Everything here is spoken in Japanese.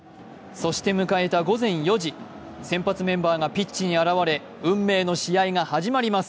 そして迎えた午前４時、先発メンバーがピッチに現れ運命の試合が始まります。